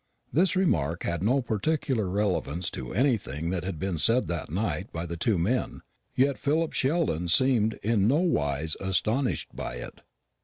This remark had no particular relevance to anything that had been said that night by the two men; yet Philip Sheldon seemed in nowise astonished by it.